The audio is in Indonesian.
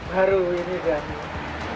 baru ini kan